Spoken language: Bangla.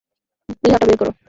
প্লীহাটা বের করো।